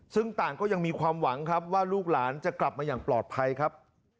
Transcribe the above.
ซึ่งต่างก็ยังมีความหวังครับว่าลูกหลานจะกลับมาอย่างปลอดภัยครับ